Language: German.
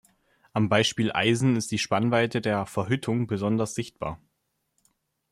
Am Beispiel Eisen ist die Spannweite der „Verhüttung“ besonders sichtbar.